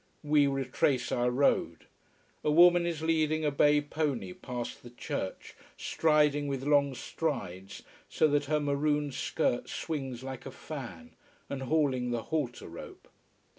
We retrace our road. A woman is leading a bay pony past the church, striding with long strides, so that her maroon skirt swings like a fan, and hauling the halter rope.